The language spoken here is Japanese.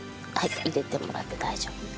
入れてもらって大丈夫です。